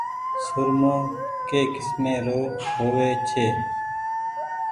سرمو ڌي ڪيسمي رو هووي ڇي۔